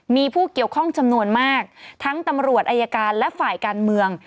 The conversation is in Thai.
มีผู้เกี่ยวข้องจำนวนมากทั้งตำรวจอายการและฝ่ายการเมือง